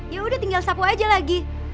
ya udah tinggal sapu aja lagi